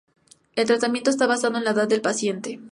El tratamiento está basado en la edad del paciente.